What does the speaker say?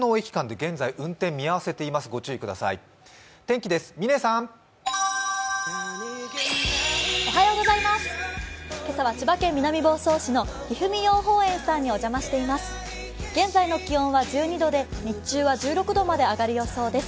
現在の気温は１２度で日中は１６度まで上がる予想です。